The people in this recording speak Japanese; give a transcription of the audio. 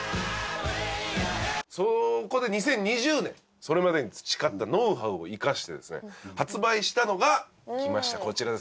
そこで２０２０年それまでに培ったノウハウを生かしてですね発売したのがきましたこちらですね。